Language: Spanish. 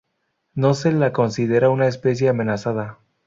No se la considera una especie amenazada.